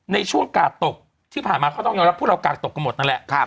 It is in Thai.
ในช่วงกาดตกที่ผ่านมาเขาต้องยอมรับพวกเรากากตกกันหมดนั่นแหละ